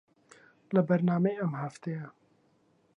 لە بەرنامەی ئەم هەفتەیە